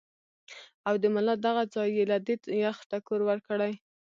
او د ملا دغه ځائے له دې يخ ټکور ورکړي -